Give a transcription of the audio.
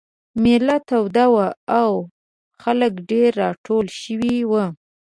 مېله توده وه او خلک ډېر راټول شوي وو.